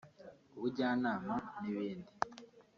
ubujyanama n’ibindi